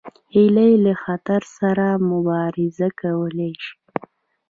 هیلۍ له خطر سره مبارزه کولی شي